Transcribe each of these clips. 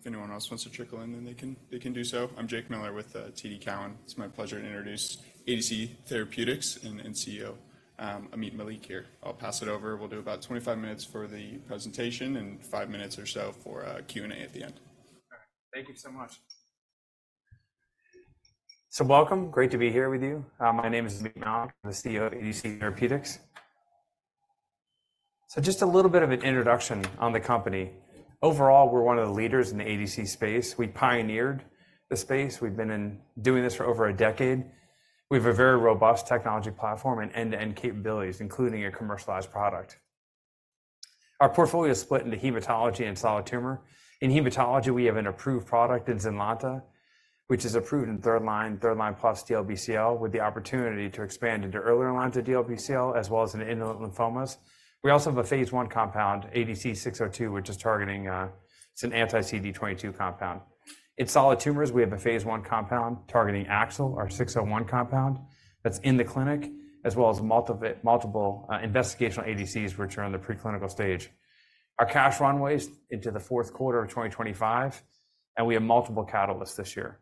If anyone else wants to trickle in, then they can, they can do so. I'm Jake Miller with TD Cowen. It's my pleasure to introduce ADC Therapeutics and CEO Ameet Mallik here. I'll pass it over. We'll do about 25 minutes for the presentation and five minutes or so for Q&A at the end. All right. Thank you so much. Welcome. Great to be here with you. My name is Ameet Malik. I'm the CEO of ADC Therapeutics. Just a little bit of an introduction on the company. Overall, we're one of the leaders in the ADC space. We pioneered the space. We've been doing this for over a decade. We have a very robust technology platform and end-to-end capabilities, including a commercialized product. Our portfolio is split into hematology and solid tumor. In hematology, we have an approved product in Xynlonta, which is approved in third line, third line plus DLBCL, with the opportunity to expand into earlier lines of DLBCL, as well as in indolent lymphomas. We also have a phase 1 compound, ADC-602, which is targeting. It's an anti-CD22 compound. In solid tumors, we have a phase 1 compound targeting AXL, our 601 compound, that's in the clinic, as well as multiple investigational ADCs, which are in the preclinical stage. Our cash runway is into the fourth quarter of 2025, and we have multiple catalysts this year.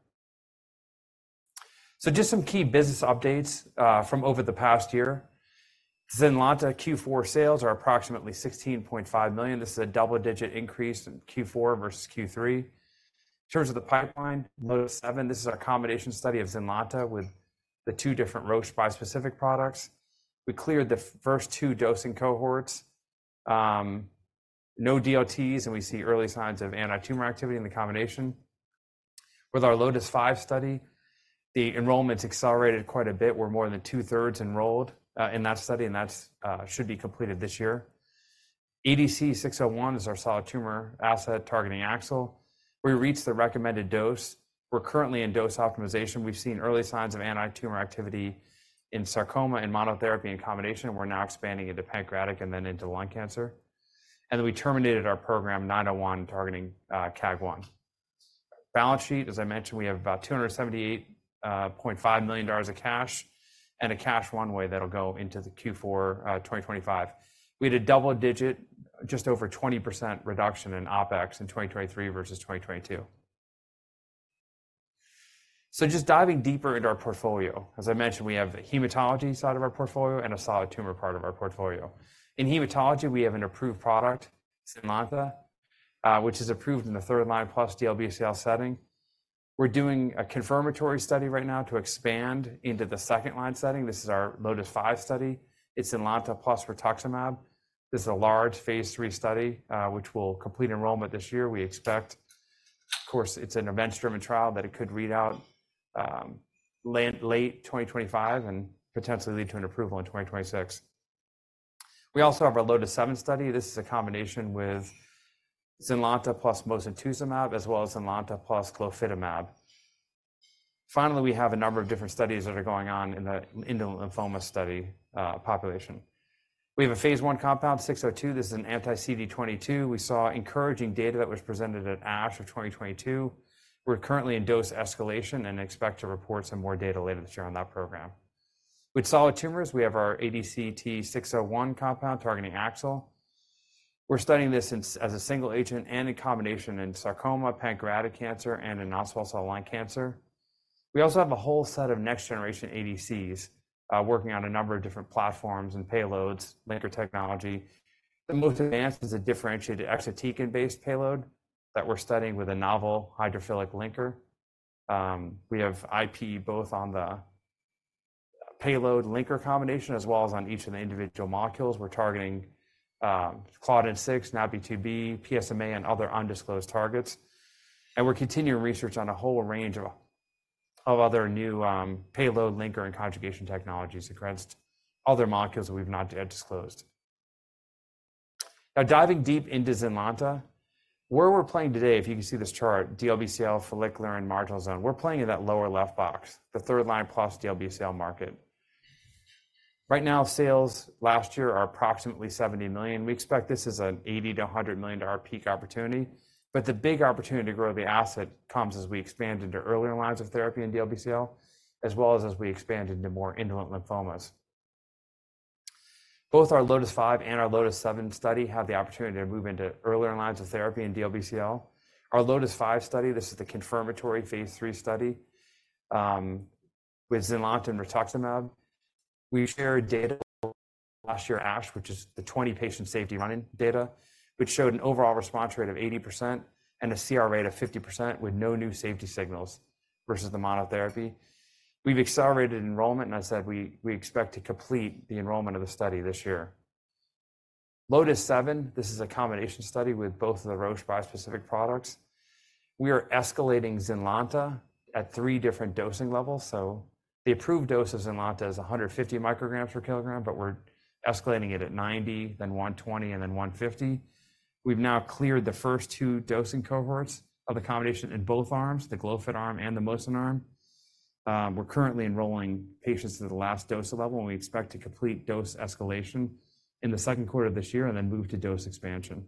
Just some key business updates from over the past year. Xynlonta Q4 sales are approximately $16.5 million. This is a double-digit increase in Q4 versus Q3. In terms of the pipeline, LOTIS-7, this is a combination study of Xynlonta with the two different Roche bispecific products. We cleared the first two dosing cohorts, no DLTs, and we see early signs of anti-tumor activity in the combination. With our LOTUS-5 study, the enrollment's accelerated quite a bit. We're more than two-thirds enrolled in that study, and that should be completed this year. ADCT-601 is our solid tumor asset targeting AXL. We reached the recommended dose. We're currently in dose optimization. We've seen early signs of anti-tumor activity in sarcoma and monotherapy in combination, and we're now expanding into pancreatic and then into lung cancer. Then we terminated our program, 901, targeting KAAG1. Balance sheet, as I mentioned, we have about $278.5 million of cash and a cash runway that'll go into Q4 2025. We had a double-digit, just over 20% reduction in OpEx in 2023 versus 2022. Just diving deeper into our portfolio. As I mentioned, we have the hematology side of our portfolio and a solid tumor part of our portfolio. In hematology, we have an approved product, Xynlonta, which is approved in the third-line plus DLBCL setting. We're doing a confirmatory study right now to expand into the second-line setting. This is our LOTIS-5 study. It's Xynlonta plus rituximab. This is a large phase III study, which we'll complete enrollment this year, we expect. Of course, it's an event-driven trial, but it could read out late 2025 and potentially lead to an approval in 2026. We also have our LOTIS-7 study. This is a combination with Xynlonta plus mosunetuzumab, as well as Xynlonta plus glofitinib. Finally, we have a number of different studies that are going on in the indolent lymphoma population. We have a phase I compound, ADCT-602. This is an anti-CD22. We saw encouraging data that was presented at ASH 2022. We're currently in dose escalation and expect to report some more data later this year on that program. With solid tumors, we have our ADCT-601 compound targeting AXL. We're studying this as a single agent and in combination in sarcoma, pancreatic cancer, and in non-small cell lung cancer. We also have a whole set of next-generation ADCs, working on a number of different platforms and payloads, linker technology. The most advanced is a differentiated Exatecan-based payload that we're studying with a novel hydrophilic linker. We have IP both on the payload linker combination, as well as on each of the individual molecules. We're targeting, claudin-6, NaPi2b, PSMA, and other undisclosed targets, and we're continuing research on a whole range of, of other new, payload, linker, and conjugation technologies against other molecules that we've not yet disclosed. Now, diving deep into Xynlonta, where we're playing today, if you can see this chart, DLBCL, follicular, and marginal zone, we're playing in that lower left box, the third-line plus DLBCL market. Right now, sales last year are approximately $70 million. We expect this as an $80-$100 million peak opportunity, but the big opportunity to grow the asset comes as we expand into earlier lines of therapy in DLBCL, as well as as we expand into more indolent lymphomas. Both our LOTIS-5 and our LOTIS-7 study have the opportunity to move into earlier lines of therapy in DLBCL. Our LOTIS-5 study, this is the confirmatory Phase III study, with Xynlonta and rituximab. We shared data last year at ASH, which is the 20-patient safety running data, which showed an overall response rate of 80% and a CR rate of 50% with no new safety signals versus the monotherapy. We've accelerated enrollment, and I said we expect to complete the enrollment of the study this year. LOTIS-7, this is a combination study with both of the Roche bispecific products. We are escalating Xynlonta at three different dosing levels, so the approved dose of Xynlonta is 150 micrograms per kilogram, but we're escalating it at 90, then 120, and then 150. We've now cleared the first two dosing cohorts of the combination in both arms, the Columvi arm and the Lunsumio arm. We're currently enrolling patients into the last dose level, and we expect to complete dose escalation in the second quarter of this year and then move to dose expansion.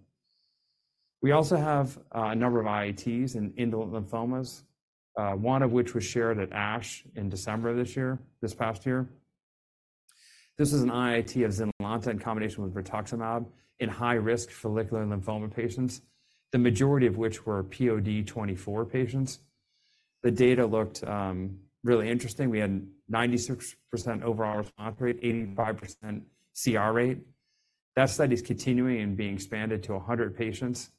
We also have a number of IITs in indolent lymphomas, one of which was shared at ASH in December of this past year. This is an IIT of Xynlonta in combination with rituximab in high-risk follicular lymphoma patients, the majority of which were POD24 patients. The data looked really interesting. We had 96% overall response rate, 85% CR rate. That study is continuing and being expanded to 100 patients,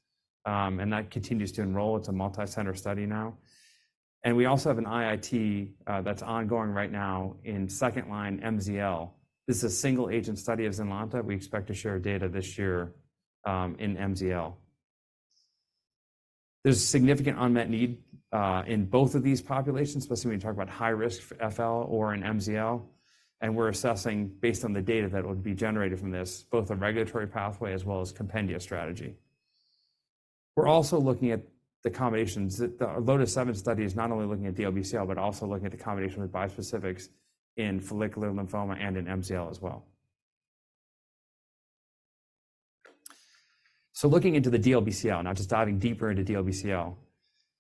and that continues to enroll. It's a multicenter study now. We also have an IIT that's ongoing right now in second-line MZL. This is a single-agent study of Xynlonta. We expect to share data this year in MZL. There's a significant unmet need in both of these populations, especially when you talk about high risk for FL or in MZL, and we're assessing based on the data that would be generated from this, both a regulatory pathway as well as compendia strategy. We're also looking at the combinations. The LOTIS-7 study is not only looking at DLBCL, but also looking at the combination with bispecifics in follicular lymphoma and in MCL as well. So looking into the DLBCL, now just diving deeper into DLBCL,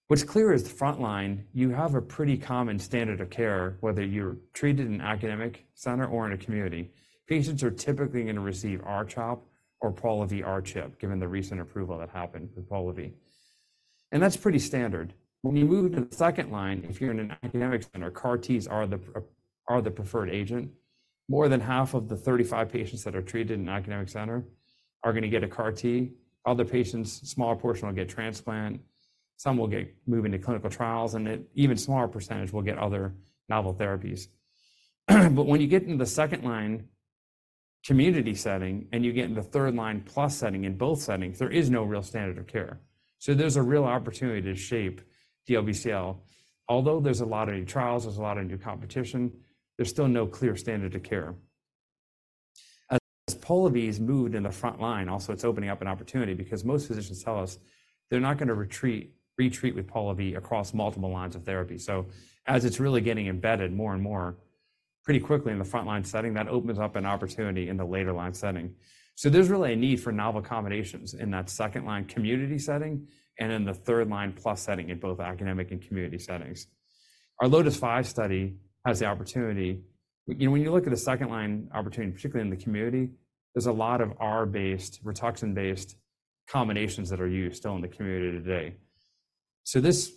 what's clear is the frontline, you have a pretty common standard of care, whether you're treated in an academic center or in a community. Patients are typically going to receive R-CHOP or Polivy R-CHOP, given the recent approval that happened with Polivy. And that's pretty standard. When we move into the second-line, if you're in an academic center, CAR-Ts are the preferred agent. More than half of the 35 patients that are treated in an academic center are gonna get a CAR-T. Other patients, a smaller portion, will get transplant, some will get move into clinical trials, and an even smaller percentage will get other novel therapies. But when you get into the second-line community setting and you get in the third-line plus setting, in both settings, there is no real standard of care. So there's a real opportunity to shape DLBCL. Although there's a lot of new trials, there's a lot of new competition, there's still no clear standard of care. As Polivy is moved in the front line, also, it's opening up an opportunity because most physicians tell us they're not gonna retreat with Polivy across multiple lines of therapy. So as it's really getting embedded more and more pretty quickly in the front-line setting, that opens up an opportunity in the later line setting. So there's really a need for novel combinations in that second-line community setting and in the third-line plus setting in both academic and community settings. Our LOTIS-5 study has the opportunity... When you look at the second line opportunity, particularly in the community, there's a lot of R-based, rituximab-based combinations that are used still in the community today. So this,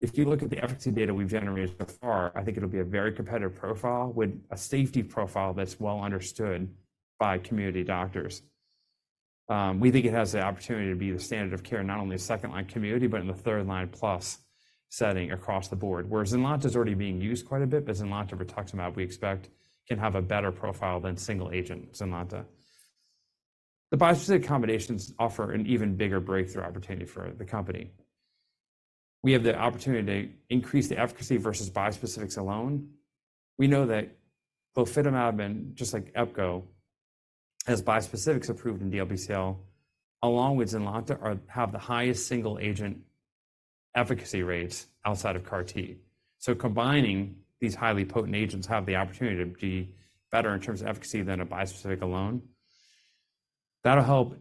if you look at the efficacy data we've generated thus far, I think it'll be a very competitive profile with a safety profile that's well understood by community doctors. We think it has the opportunity to be the standard of care, not only in second-line community, but in the third-line plus setting across the board. Whereas Xynlonta is already being used quite a bit, but Xynlonta rituximab, we expect, can have a better profile than single-agent Xynlonta. The bispecific combinations offer an even bigger breakthrough opportunity for the company. We have the opportunity to increase the efficacy versus bispecifics alone. We know that Columvi, just like Epco, as bispecifics approved in DLBCL, along with Xynlonta, have the highest single-agent efficacy rates outside of CAR-T. So combining these highly potent agents have the opportunity to be better in terms of efficacy than a bispecific alone. That'll help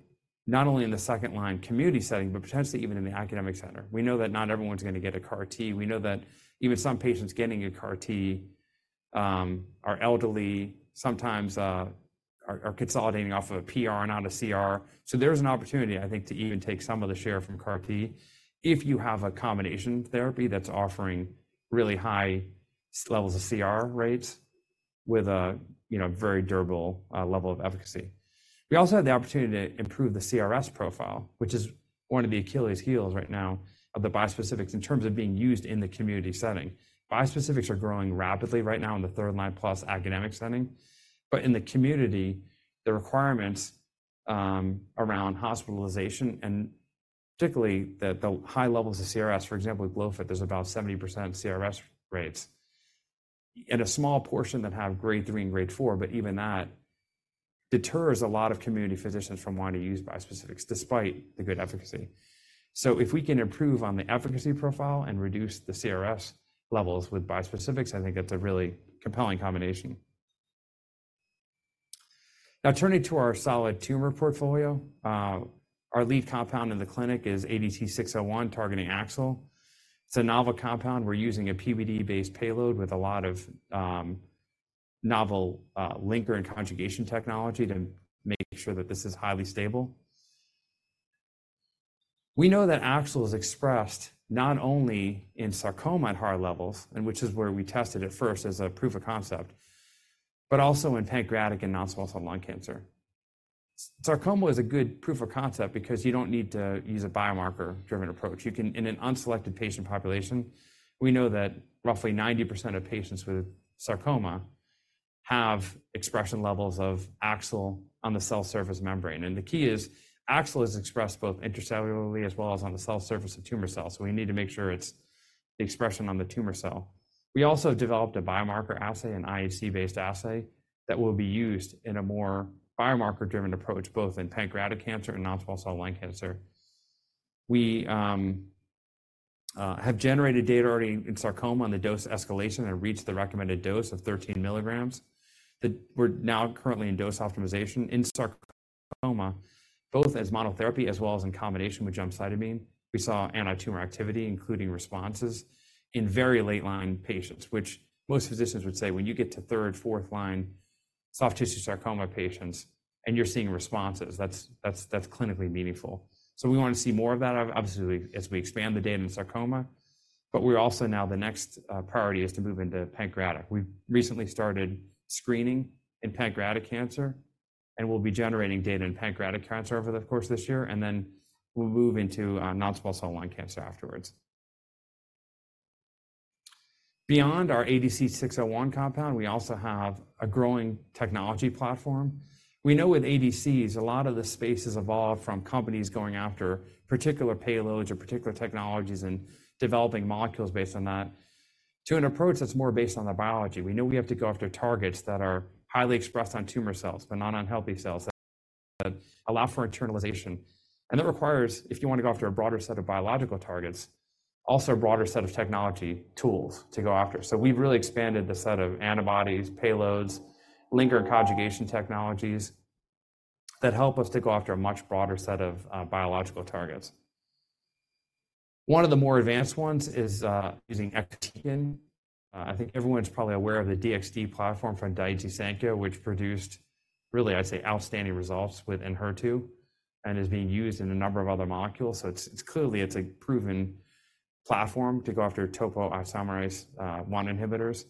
not only in the second-line community setting, but potentially even in the academic center. We know that not everyone's gonna get a CAR-T. We know that even some patients getting a CAR-T are elderly, sometimes, consolidating off of a PR, not a CR. So there's an opportunity, I think, to even take some of the share from CAR-T if you have a combination therapy that's offering really high levels of CR rates with a, you know, very durable level of efficacy. We also have the opportunity to improve the CRS profile, which is one of the Achilles heels right now of the bispecifics in terms of being used in the community setting. Bispecifics are growing rapidly right now in the third-line plus academic setting, but in the community, the requirements around hospitalization and particularly the high levels of CRS, for example, with Columvi, there's about 70% CRS rates and a small portion that have Grade three and Grade four, but even that deters a lot of community physicians from wanting to use bispecifics despite the good efficacy. So if we can improve on the efficacy profile and reduce the CRS levels with bispecifics, I think that's a really compelling combination. Now, turning to our solid tumor portfolio, our lead compound in the clinic is ADCT-601, targeting AXL. It's a novel compound. We're using a PBD-based payload with a lot of novel linker and conjugation technology to make sure that this is highly stable. We know that AXL is expressed not only in sarcoma at high levels, and which is where we tested it first as a proof of concept, but also in pancreatic and non-small cell lung cancer. Sarcoma is a good proof of concept because you don't need to use a biomarker-driven approach. You can. In an unselected patient population, we know that roughly 90% of patients with sarcoma have expression levels of AXL on the cell surface membrane, and the key is AXL is expressed both intracellularly as well as on the cell surface of tumor cells, so we need to make sure it's the expression on the tumor cell. We also developed a biomarker assay, an IHC-based assay, that will be used in a more biomarker-driven approach, both in pancreatic cancer and non-small cell lung cancer. We have generated data already in sarcoma on the dose escalation and reached the recommended dose of 13mg. We're now currently in dose optimization in sarcoma, both as monotherapy as well as in combination with gemcitabine. We saw anti-tumor activity, including responses in very late-line patients, which most physicians would say when you get to third, fourth line soft tissue sarcoma patients and you're seeing responses, that's clinically meaningful. So we want to see more of that, obviously, as we expand the data in sarcoma, but we're also now the next priority is to move into pancreatic. We've recently started screening in pancreatic cancer, and we'll be generating data in pancreatic cancer over the course of this year, and then we'll move into non-small cell lung cancer afterwards. Beyond our ADCT-601 compound, we also have a growing technology platform. We know with ADCs, a lot of the space has evolved from companies going after particular payloads or particular technologies and developing molecules based on that, to an approach that's more based on the biology. We know we have to go after targets that are highly expressed on tumor cells, but not on healthy cells that allow for internalization. And that requires, if you want to go after a broader set of biological targets, also a broader set of technology tools to go after. So we've really expanded the set of antibodies, payloads, linker conjugation technologies, that help us to go after a much broader set of biological targets. One of the more advanced ones is using exatecan. I think everyone's probably aware of the DXd platform from Daiichi Sankyo, which produced really, I'd say, outstanding results with HER2 and is being used in a number of other molecules. So it's, it's clearly it's a proven platform to go after topoisomerase I inhibitors.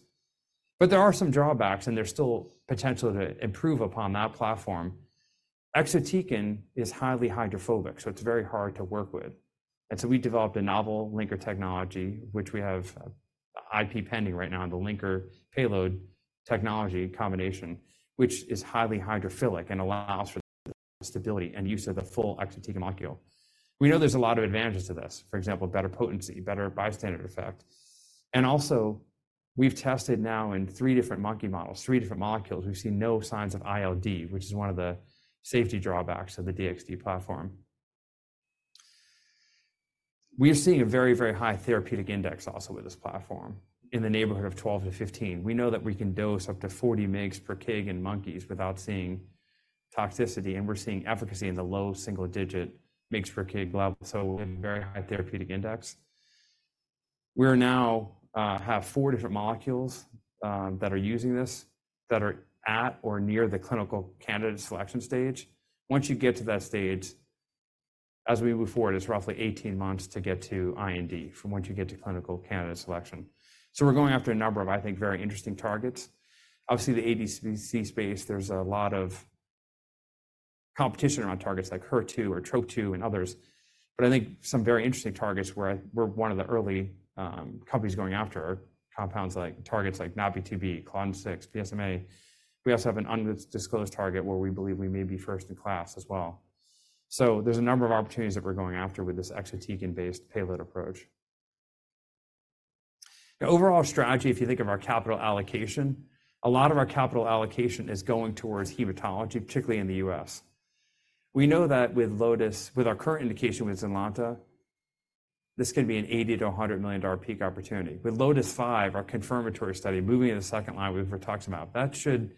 But there are some drawbacks, and there's still potential to improve upon that platform. Exatecan is highly hydrophobic, so it's very hard to work with. And so we developed a novel linker technology, which we have, IP pending right now on the linker payload technology combination, which is highly hydrophilic and allows for stability and use of the full exatecan molecule. We know there's a lot of advantages to this. For example, better potency, better bystander effect. And also, we've tested now in three different monkey models, three different molecules, we've seen no signs of ILD, which is one of the safety drawbacks of the DXd platform. We are seeing a very, very high therapeutic index also with this platform, in the neighborhood of 12-15. We know that we can dose up to 40 mg/kg in monkeys without seeing toxicity, and we're seeing efficacy in the low single-digit mg/kg level, so a very high therapeutic index. We now have 4 different molecules that are using this, that are at or near the clinical candidate selection stage. Once you get to that stage, as we move forward, it's roughly 18 months to get to IND from once you get to clinical candidate selection. So we're going after a number of, I think, very interesting targets. Obviously, the ADC space, there's a lot of competition around targets like HER2 or Trop-2 and others. But I think some very interesting targets where we're one of the early companies going after are compounds like targets like NaPi2b, Claudin-6, PSMA. We also have an undisclosed target where we believe we may be first in class as well. So there's a number of opportunities that we're going after with this exatecan-based payload approach. The overall strategy, if you think of our capital allocation, a lot of our capital allocation is going towards hematology, particularly in the US. We know that with LOTIS, with our current indication with Xynlonta, this can be an $80 million-$100 million peak opportunity. With LOTIS-5, our confirmatory study, moving into second line, we've talked about, that should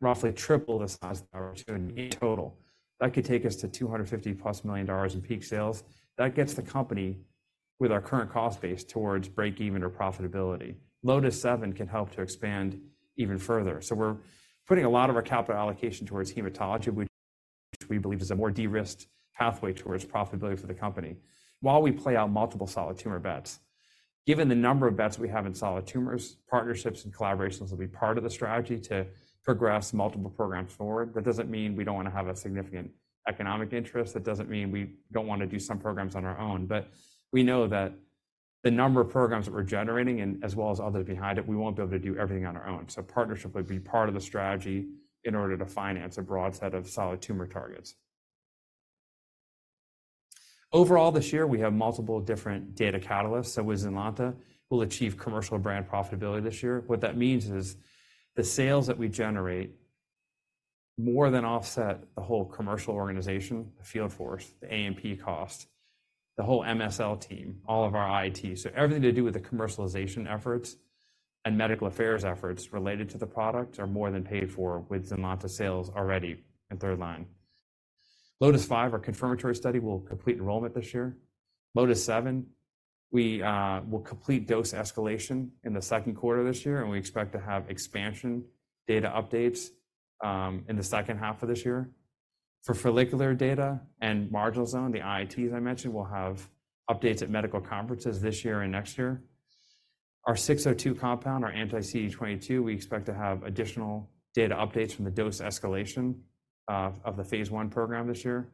roughly triple the size of our opportunity in total. That could take us to $250+ million in peak sales. That gets the company with our current cost base towards break even or profitability. LOTIS-7 can help to expand even further. So we're putting a lot of our capital allocation towards hematology, which we believe is a more de-risked pathway towards profitability for the company while we play out multiple solid tumor bets. Given the number of bets we have in solid tumors, partnerships and collaborations will be part of the strategy to progress multiple programs forward. That doesn't mean we don't want to have a significant economic interest. That doesn't mean we don't want to do some programs on our own, but we know that the number of programs that we're generating and as well as others behind it, we won't be able to do everything on our own. So partnership would be part of the strategy in order to finance a broad set of solid tumor targets. Overall, this year, we have multiple different data catalysts. So with Xynlonta, we'll achieve commercial brand profitability this year. What that means is the sales that we generate more than offset the whole commercial organization, the field force, the A&P cost, the whole MSL team, all of our IT. So everything to do with the commercialization efforts and medical affairs efforts related to the product are more than paid for with Xynlonta sales already in third line. LOTIS-5, our confirmatory study, will complete enrollment this year. LOTIS-7, we will complete dose escalation in the second quarter of this year, and we expect to have expansion data updates in the second half of this year. For follicular data and marginal zone, the IITs I mentioned will have updates at medical conferences this year and next year. Our 602 compound, our anti-CD22, we expect to have additional data updates from the dose escalation of the phase 1 program this year.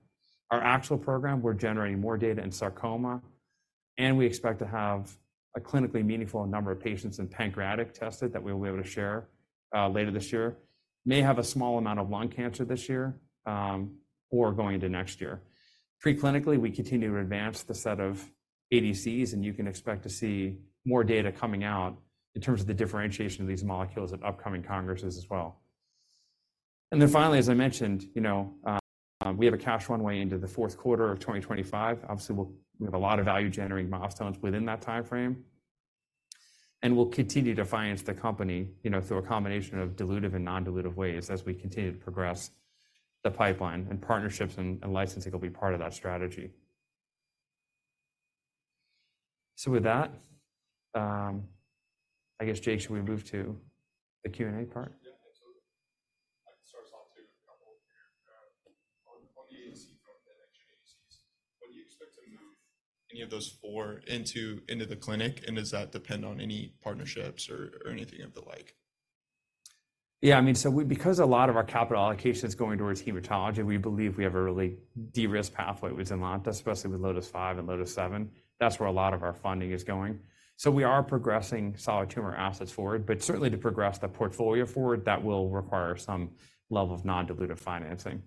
Our AXL program, we're generating more data in sarcoma, and we expect to have a clinically meaningful number of patients in pancreatic tested that we will be able to share later this year. May have a small amount of lung cancer this year, or going into next year. Preclinically, we continue to advance the set of ADCs, and you can expect to see more data coming out in terms of the differentiation of these molecules at upcoming congresses as well. Then finally, as I mentioned, you know, we have a cash runway into the fourth quarter of 2025. Obviously, we'll have a lot of value-generating milestones within that timeframe... and we'll continue to finance the company, you know, through a combination of dilutive and non-dilutive ways as we continue to progress the pipeline, and partnerships and licensing will be part of that strategy. So with that, I guess, Jake, should we move to the Q&A part? Yeah, absolutely. I can start us off too with a couple here. On the ADC front, the next-gen ADCs, when do you expect to move any of those four into the clinic, and does that depend on any partnerships or anything of the like? Yeah, I mean, so we, because a lot of our capital allocation is going towards hematology, we believe we have a really de-risked pathway with Xynlonta, especially with LOTIS-5 and LOTIS-7. That's where a lot of our funding is going. So we are progressing solid tumor assets forward, but certainly to progress the portfolio forward, that will require some level of non-dilutive financing.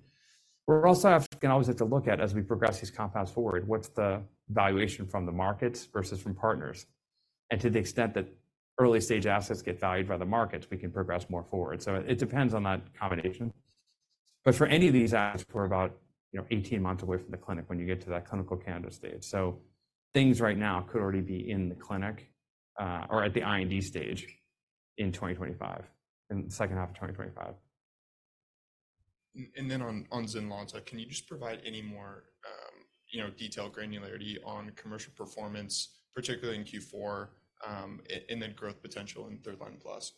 We're also-- we can always have to look at, as we progress these compounds forward, what's the valuation from the markets versus from Partners? And to the extent that early-stage assets get valued by the markets, we can progress more forward. So it, it depends on that combination. But for any of these assets, we're about, you know, 18 months away from the clinic when you get to that clinical candidate stage. Things right now could already be in the clinic or at the IND stage in 2025, in the second half of 2025. Then on Xynlonta, can you just provide any more, you know, detailed granularity on commercial performance, particularly in Q4, and then growth potential in third line plus?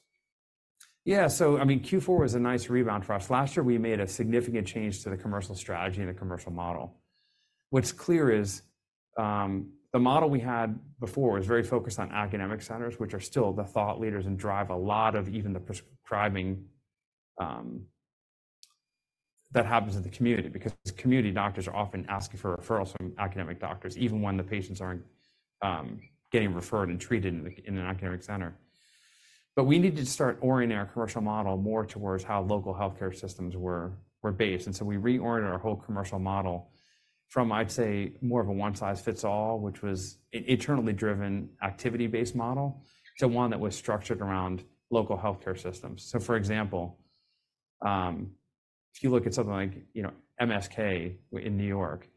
Yeah, so I mean, Q4 was a nice rebound for us. Last year, we made a significant change to the commercial strategy and the commercial model. What's clear is, the model we had before was very focused on academic centers, which are still the thought leaders and drive a lot of even the prescribing that happens in the community, because community doctors are often asking for referrals from academic doctors, even when the patients aren't getting referred and treated in the academic center. But we needed to start orienting our commercial model more towards how local healthcare systems were based. And so we reoriented our whole commercial model from, I'd say, more of a one-size-fits-all, which was internally driven, activity-based model, to one that was structured around local healthcare systems. So, for example, if you look at something like, you know, MSK in New York,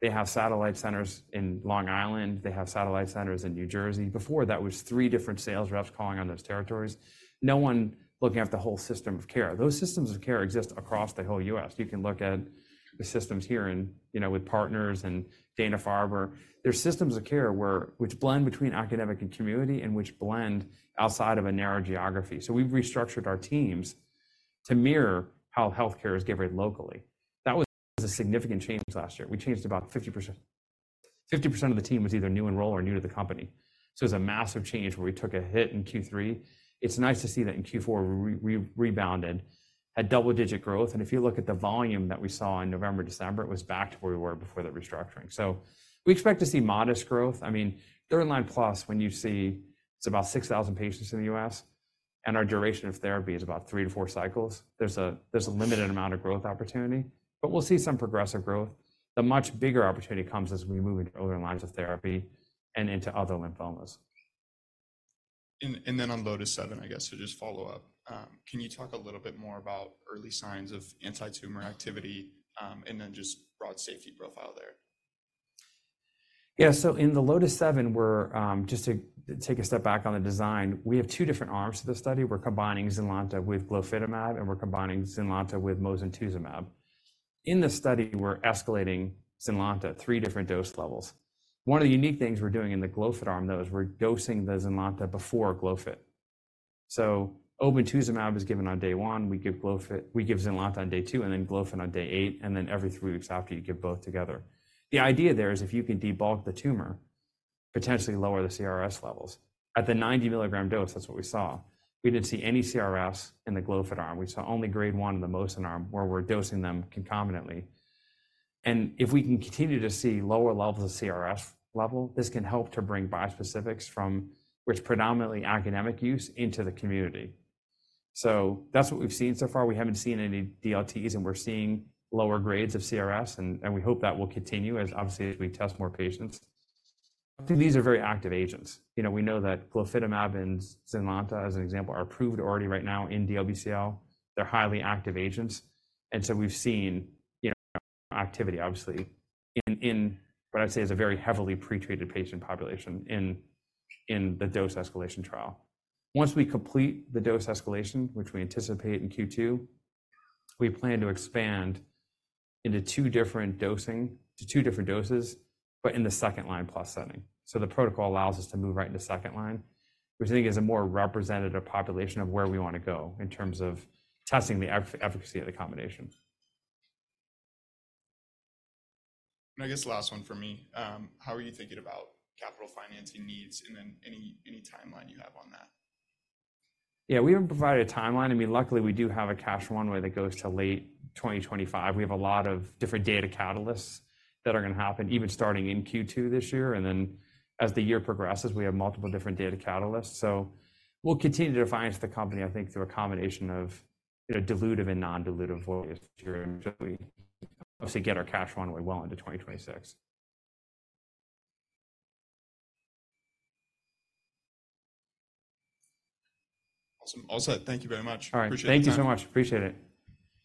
they have satellite centers in Long Island, they have satellite centers in New Jersey. Before, that was three different sales reps calling on those territories, no one looking after the whole system of care. Those systems of care exist across the whole U.S. You can look at the systems here in, you know, with Partners and Dana-Farber. They're systems of care where, which blend between academic and community, and which blend outside of a narrow geography. So we've restructured our teams to mirror how healthcare is delivered locally. That was a significant change last year. We changed about 50%. 50% of the team was either new enroll or new to the company. So it was a massive change where we took a hit in Q3. It's nice to see that in Q4, we rebounded, had double-digit growth, and if you look at the volume that we saw in November, December, it was back to where we were before the restructuring. So we expect to see modest growth. I mean, third line plus, when you see it's about 6,000 patients in the U.S., and our duration of therapy is about three to four cycles, there's a limited amount of growth opportunity, but we'll see some progressive growth. The much bigger opportunity comes as we move into other lines of therapy and into other lymphomas. Then on LOTIS-7, I guess, to just follow up, can you talk a little bit more about early signs of anti-tumor activity, and then just broad safety profile there? Yeah, so in the LOTIS-7, we're just to take a step back on the design, we have two different arms to the study. We're combining Xynlonta with glofitinib, and we're combining Xynlonta with mosunetuzumab. In the study, we're escalating Xynlonta, three different dose levels. One of the unique things we're doing in the glofit arm, though, is we're dosing the Xynlonta before glofit. So obinutuzumab is given on day one, we give glofit- we give Xynlonta on day two, and then glofit on day eight, and then every three weeks after, you give both together. The idea there is if you can debulk the tumor, potentially lower the CRS levels. At the 90-milligram dose, that's what we saw. We didn't see any CRS in the glofit arm. We saw only grade 1 in the mosun arm, where we're dosing them concomitantly. If we can continue to see lower levels of CRS levels, this can help to bring bispecifics from, which predominantly academic use, into the community. So that's what we've seen so far. We haven't seen any DLTs, and we're seeing lower grades of CRS, and we hope that will continue as obviously, as we test more patients. These are very active agents. You know, we know that glofitinib and Xynlonta, as an example, are approved already right now in DLBCL. They're highly active agents, and so we've seen, you know, activity, obviously, in what I'd say is a very heavily pretreated patient population in the dose escalation trial. Once we complete the dose escalation, which we anticipate in Q2, we plan to expand into two different dosing to two different doses, but in the second-line-plus setting. The protocol allows us to move right into second line, which I think is a more representative population of where we wanna go in terms of testing the efficacy of the combination. I guess the last one for me, how are you thinking about capital financing needs, and then any timeline you have on that? Yeah, we haven't provided a timeline. I mean, luckily, we do have a cash runway that goes to late 2025. We have a lot of different data catalysts that are gonna happen, even starting in Q2 this year, and then as the year progresses, we have multiple different data catalysts. So we'll continue to finance the company, I think, through a combination of, you know, dilutive and non-dilutive ways to obviously get our cash runway well into 2026. Awesome. All set. Thank you very much. All right. Appreciate your time. Thank you so much. Appreciate it.